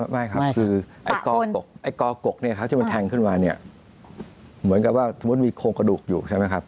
ไม่ครับคือไอ้กอกเนี่ยครับที่มันแทงขึ้นมาเนี่ยเหมือนกับว่าสมมุติมีโครงกระดูกอยู่ใช่ไหมครับ